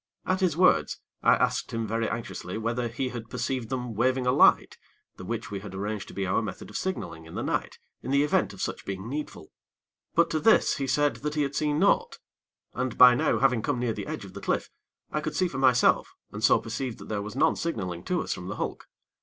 At his words, I asked him very anxiously whether he had perceived them waving a light, the which we had arranged to be our method of signaling in the night, in the event of such being needful; but, to this, he said that he had seen naught; and, by now, having come near the edge of the cliff, I could see for myself, and so perceived that there was none signaling to us from the hulk.